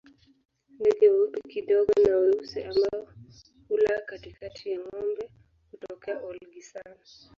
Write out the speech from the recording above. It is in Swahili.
Ndege weupe kidogo na weusi ambao hula katikati ya ngombe hutokea Olgisan